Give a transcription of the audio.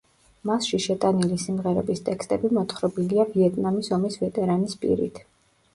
მასში შეტანილი სიმღერების ტექსტები მოთხრობილია ვიეტნამის ომის ვეტერანის პირით.